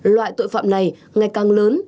loại tội phạm này ngày càng lớn